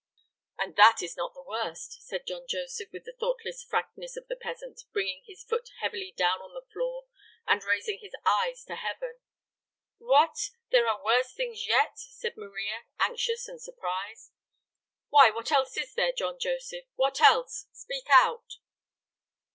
"And that is not the worst," said John Joseph, with the thoughtless frankness of the peasant, bringing his foot heavily down on the floor and raising his eyes to heaven. "What! There are worse things yet?" said Maria, anxious and surprised. "Why, what else is there, John Joseph? What else? Speak out."